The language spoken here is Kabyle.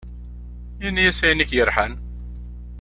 Ini-as ayen ik-yerḥan.